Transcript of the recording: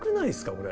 これ。